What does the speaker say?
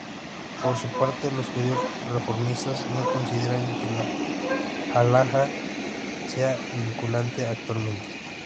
Por su parte, los judíos reformistas no consideran que la "Halajá" sea vinculante actualmente.